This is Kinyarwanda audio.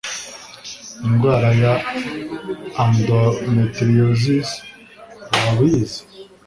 Indwara ya endometriosis waba uyizi